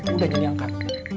udah jangan diangkat